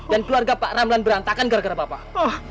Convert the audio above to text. dan keluarga pak ramlan berantakan gara gara bapak